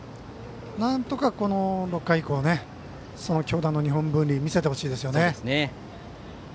なんとか６回以降強打の日本文理を見せてほしいですね。